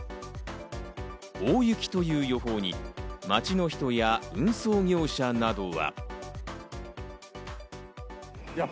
大雪という予報に街の人や運送業者などは。